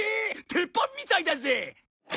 鉄板みたいだぜ！